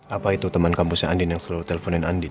apa itu teman kampusnya andien yang selalu telponin andien